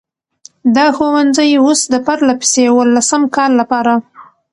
دا ښوونځی اوس د پرلهپسې اوولسم کال لپاره،